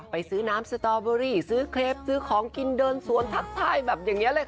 ไปซื้อน้ำสตอเบอรี่ซื้อเคลปซื้อของกินเดินสวนทักทายแบบอย่างนี้เลยค่ะ